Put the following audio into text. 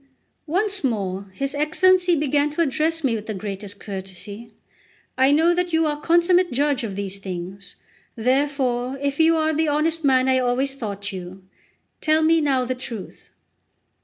Once more his Excellency began to address me with the greatest courtesy: "I know that you are consummate judge of these things; therefore, if you are the honest man I always thought you, tell me now the truth."